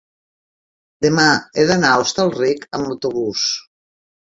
demà he d'anar a Hostalric amb autobús.